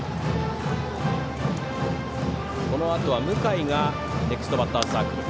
このあとは向井がネクストバッターズサークル。